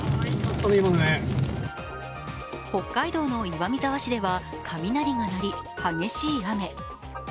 北海道の岩見沢市では雷が鳴り、激しい雨。